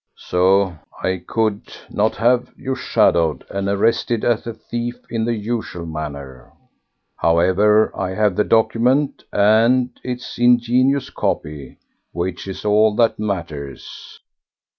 So I could not have you shadowed and arrested as a thief in the usual manner! However, I have the document and its ingenious copy, which is all that matters.